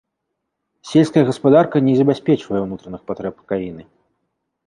Сельская гаспадарка не забяспечвае ўнутраных патрэб краіны.